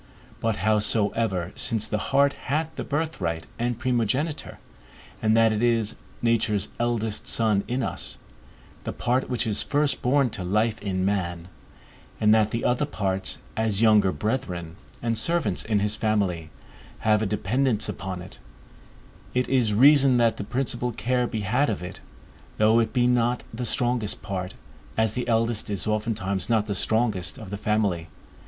But howsoever, since the heart hath the birthright and primogeniture, and that it is nature's eldest son in us, the part which is first born to life in man, and that the other parts, as younger brethren, and servants in his family, have a dependance upon it, it is reason that the principal care be had of it, though it be not the strongest part, as the eldest is oftentimes not the strongest of the family.